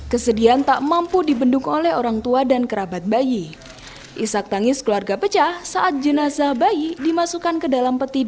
kami telah melakukan perawatan operasi